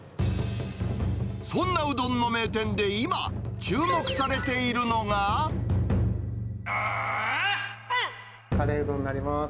そんなうどんの名店で今、注目さカレーうどんになります。